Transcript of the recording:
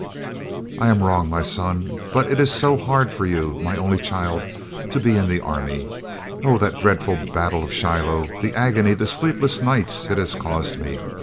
"I am wrong, my son; but it is so hard for you, my only child, to be in the army. Oh! that dreadful battle of Shiloh! The agony, the sleepless nights it has caused me!